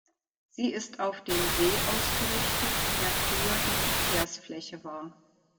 Sie ist auf den See ausgerichtet, der früher die Verkehrsfläche war.